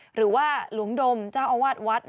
หรือว่าหลวงดมเจ้าอาวาสวัด